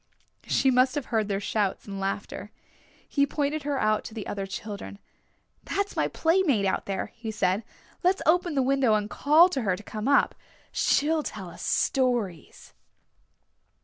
She must have heard their shouts and laughter. He pointed her out to the other children. "That is my playmate out there," he said. "Let's open the window and call to her to come up. She'll tell us stories."